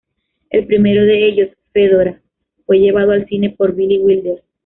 El primero de ellos, "Fedora", fue llevado al cine por Billy Wilder.